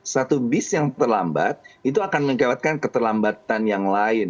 satu bis yang terlambat itu akan menyebabkan keterlambatan yang lain